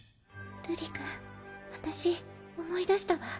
瑠璃君私思い出したわ。